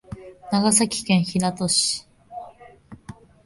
長崎県平戸市